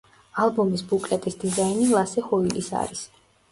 ალბომის ბუკლეტის დიზაინი ლასე ჰოილის არის.